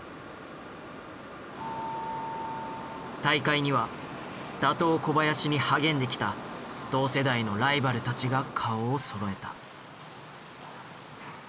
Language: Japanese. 大会には打倒・小林に励んできた同世代のライバルたちが顔をそろえた。